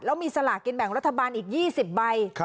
แล้วมีสลากกินแบ่งรัฐบาลอีก๒๐ใบ